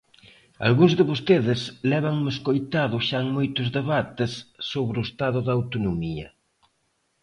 Algúns de vostedes lévanme escoitado xa en moitos debates sobre o estado da Autonomía.